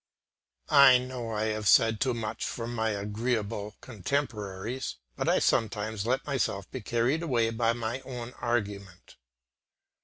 I know I have said too much for my agreeable contemporaries, but I sometimes let myself be carried away by my argument.